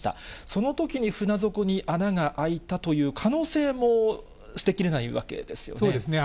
そのときに船底に穴が開いたという可能性も捨てきれないわけですそうですね。